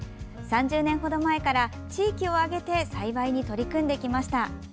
３０年ほど前から地域を挙げて栽培に取り組んできました。